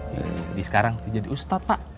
jadi sekarang dia jadi ustadz pak